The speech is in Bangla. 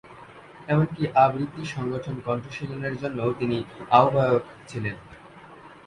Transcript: এমনকি আবৃত্তি সংগঠন কণ্ঠশীলনেরও তিনি আহ্বায়ক ছিলেন।